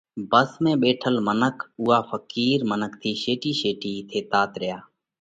ڀس ۾ ٻيٺل منک اُوئا ڦقِير منک ٿِي شيٽِي شيٽِي ٿيتات ريا،